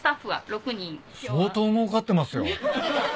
相当もうかってますよ。